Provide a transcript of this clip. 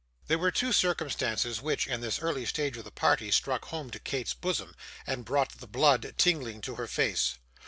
There were two circumstances which, in this early stage of the party, struck home to Kate's bosom, and brought the blood tingling to her face.